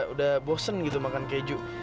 udah bosen gitu makan keju